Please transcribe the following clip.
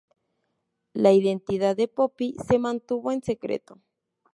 La identidad de Poppy se mantuvo en secreto.